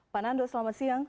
pak nando selamat siang